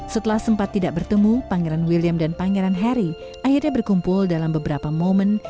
setelah sempat tidak bertemu pangeran william dan pangeran harry akhirnya berkumpul dalam beberapa momen